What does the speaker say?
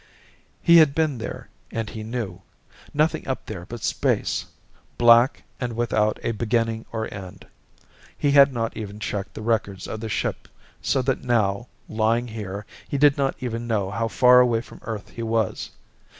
He had been there and he knew. Nothing up there but space, black and without a beginning or end. He had not even checked the records of the ship so that now, lying here, he did not even know how far away from Earth he was.